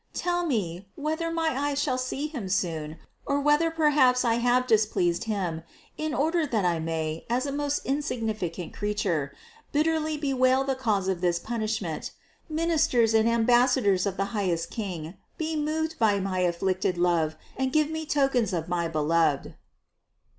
Tell me, whether my eyes shall see Him soon, or whether perhaps I have displeased Him, in order that I may, as a most insignifi cant creature, bitterly bewail the cause of this punish ment. Ministers and ambassadors of the highest King, be moved by my afflicted love and give me tokens of my Beloved."